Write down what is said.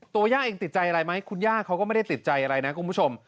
ย่าเองติดใจอะไรไหมคุณย่าเขาก็ไม่ได้ติดใจอะไรนะคุณผู้ชม